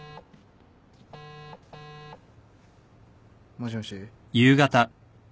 もしもし。